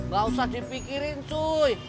gak usah dipikirin cuy